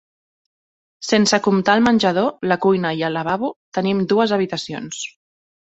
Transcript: Sense comptar el menjador, la cuina i el lavabo, tenim dues habitacions.